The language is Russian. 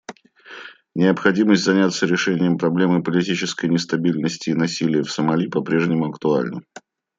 Необходимость заняться решением проблемы политической нестабильности и насилия в Сомали по-прежнему актуальна.